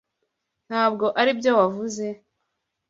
Ntabwo aribyo wavuze?